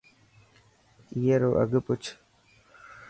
اي رو اگھه پوڇ.